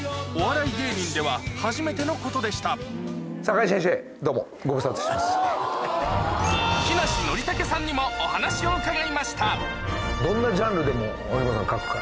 お笑い芸人では初めてのことでしたどうも。にもお話を伺いました